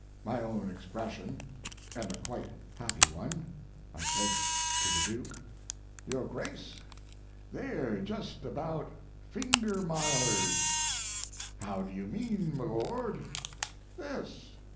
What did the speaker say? [My own expression, and a quite happy one. I said to the Duke: "Your Grace, they're just about finger milers!" "How do you mean, m'lord?" "This.